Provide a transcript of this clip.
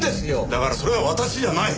だからそれは私じゃない！